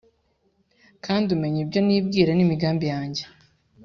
Kandi umenya ibyo nibwira n’imigambi yanjye